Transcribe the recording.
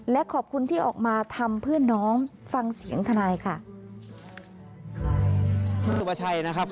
และขอบคุณที่ออกมาทำเพื่อนน้องฟังเสียงทนายค่ะ